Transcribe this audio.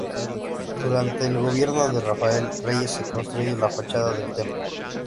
Durante el gobierno de Rafael Reyes se construye la fachada del templo.